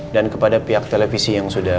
dan kepada pihak televisi yang sudah